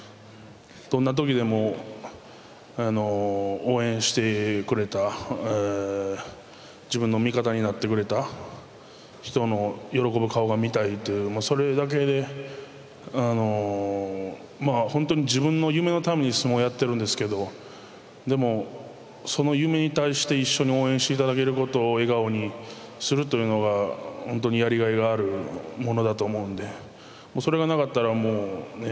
どんな時でも応援してくれた自分の味方になってくれた人の喜ぶ顔が見たいというそれだけで本当に自分の夢のために相撲やってるんですけどでもその夢に対して一緒に応援して頂けることを笑顔にするというのが本当にやりがいがあるものだと思うんでそれがなかったらもうね